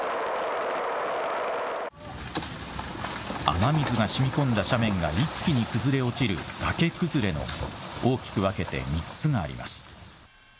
雨水がしみ込んだ斜面が一気に崩れ落ちる崖崩れの大きく分けて３つがあります。